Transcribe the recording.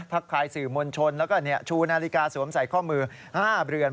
ทายสื่อมวลชนแล้วก็ชูนาฬิกาสวมใส่ข้อมือ๕เรือน